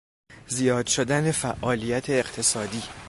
زیاد شدن فعالیت اقتصادی